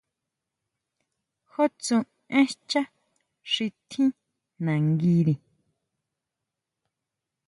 ¿Jú tsú én xchá xi tjín nanguiri?